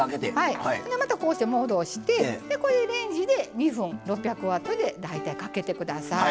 また、こうして戻してこれでレンジで２分６００ワットで大体かけてください。